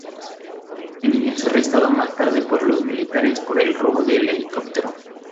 Benny es arrestado más tarde por los militares por el robo del helicóptero.